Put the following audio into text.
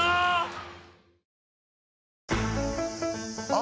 あ！